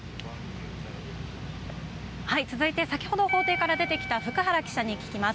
続いて先ほど法廷から出てきた福原記者に聞きます。